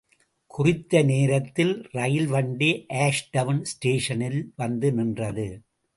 குறித்த நேரத்தில் ரயில் வண்டி ஆஷ்டவுன் ஸ்டேஷனில் வந்து நின்றது.